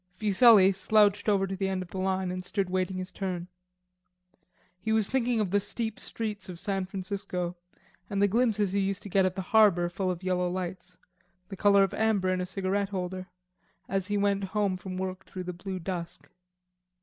Fuselli slouched over to the end of the line and stood waiting his turn. He was thinking of the steep streets of San Francisco and the glimpses he used to get of the harbor full of yellow lights, the color of amber in a cigarette holder, as he went home from work through the blue dusk.